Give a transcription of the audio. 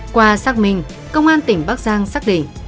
qua xác minh công an tỉnh bắc giang xác định